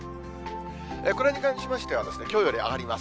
これに関しましてはですね、きょうより上がります。